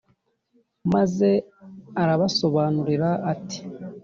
maze arabasobanurira ati